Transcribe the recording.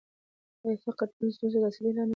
آیا فقر د ټولنیزو ستونزو اصلي لامل دی؟